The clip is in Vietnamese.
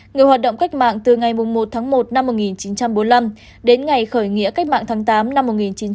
người hoạt động cách mạng từ ngày một tháng một năm một nghìn chín trăm bốn mươi năm đến ngày khởi nghĩa cách mạng tháng tám năm một nghìn chín trăm bốn mươi năm